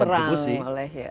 kita diserang oleh ya